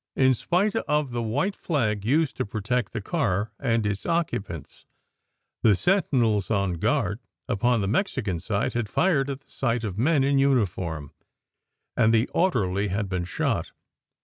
In spite of the white flag used to protect the car and its occupants, the sentinels on guard upon the Mexican side had fired at the sight of men in uniform, and the orderly had been shot.